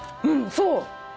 そう。